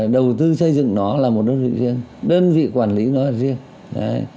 đơn vị xây dựng nó là một đơn vị riêng đơn vị quản lý nó là riêng